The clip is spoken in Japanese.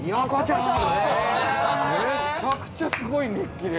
めちゃくちゃすごい熱気で。